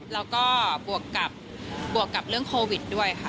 แล้วก็บวกกับบวกกับเรื่องโควิดด้วยค่ะ